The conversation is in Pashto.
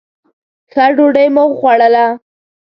ښه ډوډۍ مو وخوړله.